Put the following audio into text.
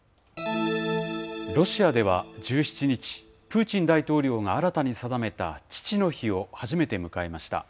ロシアでは１７日、プーチン大統領が新たに定めた父の日を初めて迎えました。